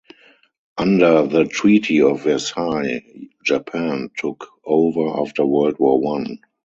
Under the Treaty of Versailles, Japan took over after World War One.